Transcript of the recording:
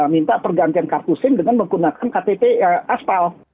minta pergantian kartu sim dengan menggunakan ktp aspal